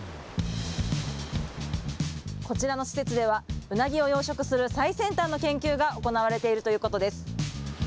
こちらの施設では、ウナギを養殖する最先端の研究が行われているということです。